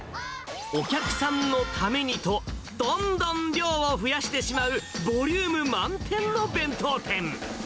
お客さんのためにと、どんどん量を増やしてしまう、ボリューム満点の弁当店。